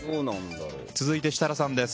続いて設楽さんです。